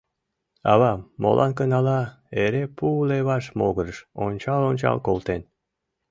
Авам, молан гын ала, эре пу леваш могырыш ончал-ончал колтен.